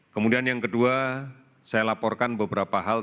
kemudian yang kedua saya laporkan beberapa hal